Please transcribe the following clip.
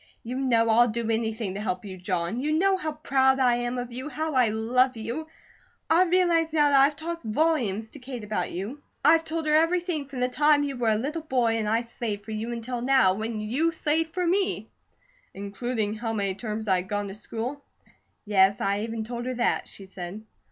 "You know I'll do anything to help you, John. You know how proud I am of you, how I love you! I realize now that I've talked volumes to Kate about you. I've told her everything from the time you were a little boy and I slaved for you, until now, when you slave for me." "Including how many terms I'd gone to school?" "Yes, I even told her that," she said.